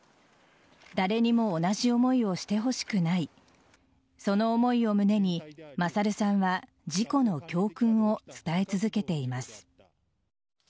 誰にも同じ思いをしてほしくないその思いを胸に勝さんは事故の教訓を伝え続けています。